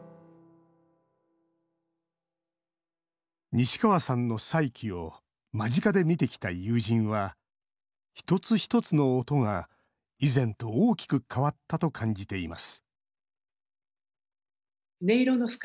西川さんの再起を間近で見てきた友人はひとつひとつの音が以前と大きく変わったと感じています